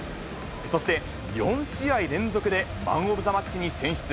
そして４試合連続でマンオブザマッチに選出。